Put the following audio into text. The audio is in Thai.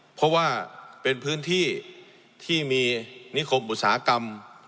เพราะว่าเป็นพื้นที่ที่มีนิคมอุตสาหกรรม